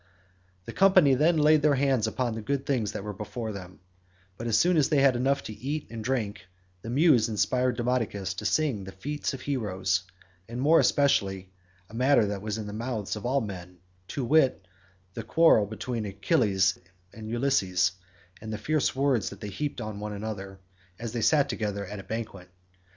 The company then laid their hands upon the good things that were before them, but as soon as they had had enough to eat and drink, the muse inspired Demodocus to sing the feats of heroes, and more especially a matter that was then in the mouths of all men, to wit, the quarrel between Ulysses and Achilles, and the fierce words that they heaped on one another as they sat together at a banquet.